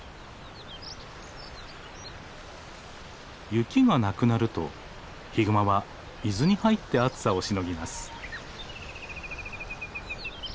雪がなくなるとヒグマは水に入って暑さをしのぎます。